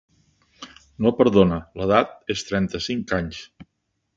No, perdona: l'edat és trenta-cinc anys.